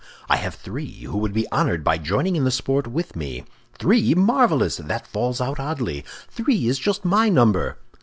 "I have three, who would be honored by joining in the sport with me." "Three? Marvelous! That falls out oddly! Three is just my number!"